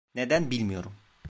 Neden bilmiyorum.